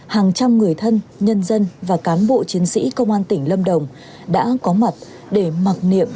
hàng trăm người thân nhân dân và cán bộ chiến sĩ công an tỉnh lâm đồng đã có mặt để mặc niệm